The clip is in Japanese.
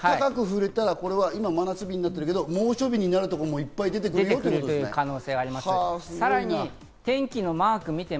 高く振れたら今、真夏日になってるけど猛暑日になるところもいっぱい出てくるよってことですね。